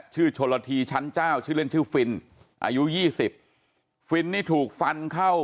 ชื่อโชระธีชั้นเจ้า